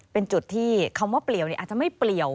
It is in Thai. เป็นจุดที่คำว่าเปลี่ยวอาจจะไม่เปลี่ยว